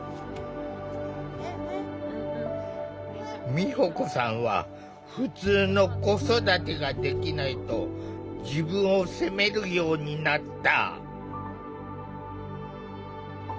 美保子さんはふつうの子育てができないと自分を責めるようになった。